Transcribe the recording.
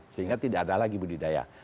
sehingga tidak ada lagi budidaya